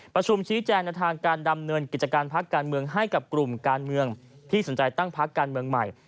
ประชุมชี้แจงในทางการดำเนินกิจการพักการเมืองให้กับกลุ่มการเมืองที่สนใจตั้งพักการเมืองใหม่